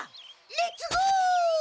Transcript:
レッツゴー！